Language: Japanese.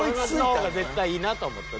その方が絶対いいなと思って。